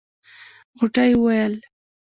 غوټۍ وويل.